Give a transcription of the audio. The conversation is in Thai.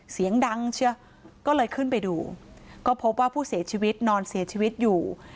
เสียงดังเชียวก็เลยขึ้นไปดูก็พบว่าผู้เสียชีวิตนอนเสียชีวิตอยู่